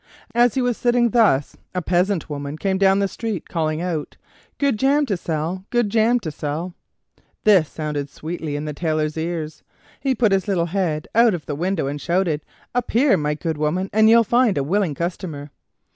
As he was sitting thus a peasant woman came down the street, calling out: "Good jam to sell! good jam to sell!" This sounded sweetly in the Tailor's ears; he put his little head out of the window and shouted: "Up here, my good woman, and you'll find a willing customer!"